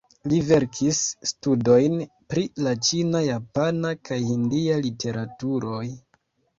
Li verkis studojn pri la ĉina, japana kaj hindia literaturoj.